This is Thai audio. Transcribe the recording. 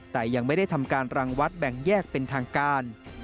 แต่ยังไม่ได้ทำการรังวัดแบ่งแยกเป็นทางการ